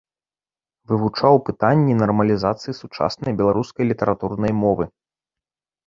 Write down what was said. Вывучаў пытанні нармалізацыі сучаснай беларускай літаратурнай мовы.